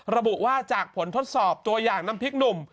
ระบุว่าจากผลทดสอบตัวอย่างน้ำพริกหนุ่ม